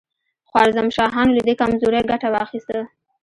خوارزم شاهانو له دې کمزورۍ ګټه واخیسته.